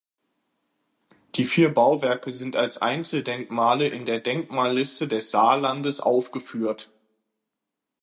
Die vier Bauwerke sind als Einzeldenkmale in der Denkmalliste des Saarlandes aufgeführt.